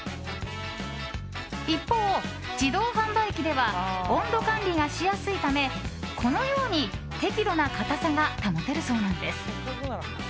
一方、自動販売機では温度管理がしやすいためこのように適度な硬さが保てるそうなんです。